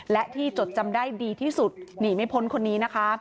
และที่จดจำได้ดีที่สุดหนีไม่พ้นคนนี้นะคะ